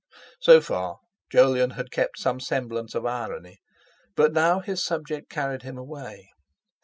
So far Jolyon had kept some semblance of irony, but now his subject carried him away.